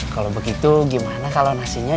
kalau begitu gimana kalau nasinya